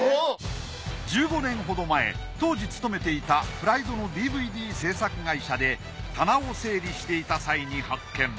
１５年ほど前当時勤めていたプライドのＤＶＤ制作会社で棚を整理していた際に発見。